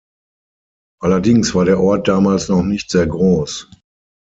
Allerdings war der Ort damals noch nicht sehr groß.